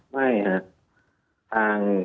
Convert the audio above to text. ไม่ครับ